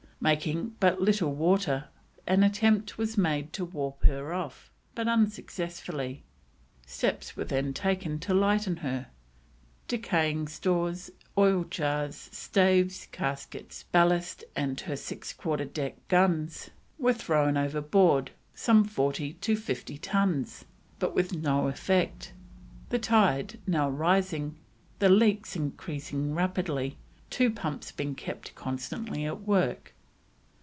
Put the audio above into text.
Making but little water, an attempt was made to warp her off, but unsuccessfully. Steps were then taken to lighten her; decayed stores, oil jars, staves, casks, ballast, and her six quarter deck guns were thrown overboard, some forty to fifty tons, but with no effect. The tide now rising, the leaks increased rapidly, two pumps being kept constantly at work.